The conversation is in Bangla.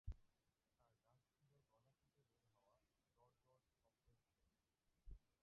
তার ডাক ছিল গলা থেকে বের হওয়া "গড়গড়" শব্দের মত।